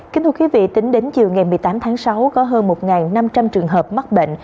kính thưa quý vị tính đến chiều ngày một mươi tám tháng sáu có hơn một năm trăm linh trường hợp mắc bệnh